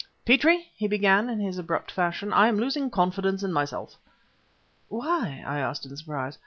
"Petrie," he began in his abrupt fashion, "I am losing confidence in myself." "Why?" I asked in surprise.